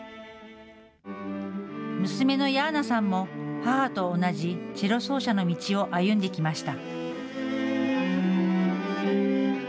娘のヤーナさんも母と同じチェロの演奏家の道を歩んできました。